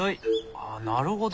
あなるほど。